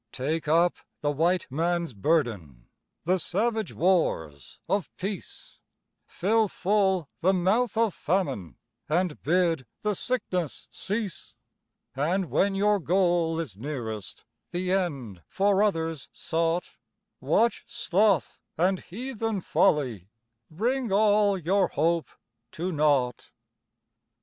Take up the White Man's burden The savage wars of peace Fill full the mouth of Famine And bid the sickness cease; And when your goal is nearest The end for others sought, Watch Sloth and heathen Folly Bring all your hope to naught.